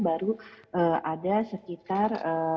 baru ada sekitar